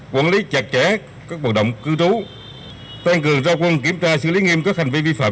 quản lý chặt chẽ các bộ động cư trú tăng cường ra quân kiểm tra xử lý nghiêm các hành vi vi phạm